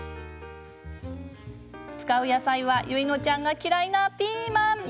使う野菜は唯乃ちゃんが嫌いなピーマン。